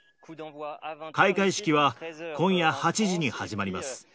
開会式は今夜８時に始まります。